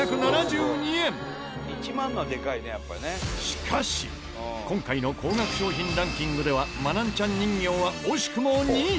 しかし今回の高額商品ランキングではマナンちゃん人形は惜しくも２位。